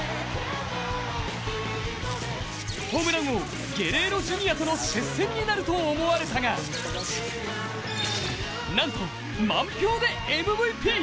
ホームラン王、ゲレーロ・ジュニアとの接戦になると思われたがなんと満票でМＶＰ。